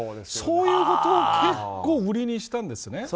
そういうことを結構、売りにしていたんですね。